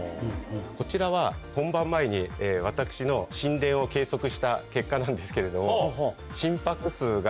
こちらは本番前に私の心電を計測した結果なんですけれど。